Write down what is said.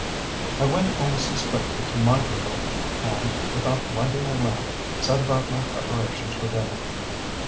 I went almost as quickly to my pavilion, and, without lighting my lamp, set about my preparations for dinner.